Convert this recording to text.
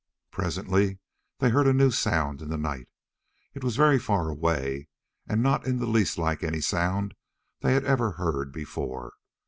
Presently they heard a new sound in the night. It was very far away, and not in the least like any sound they had ever heard before.